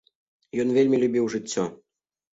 Ён вельмі любіў жыццё.